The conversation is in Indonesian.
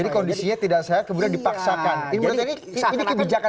jadi kondisinya tidak sehat kemudian dipaksakan